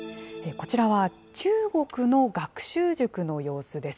こちらは中国の学習塾の様子です。